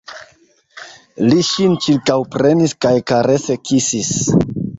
Li ŝin ĉirkaŭprenis kaj karese kisis.